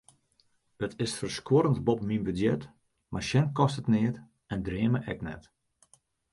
It is ferskuorrend boppe myn budzjet, mar sjen kostet neat en dreame ek net.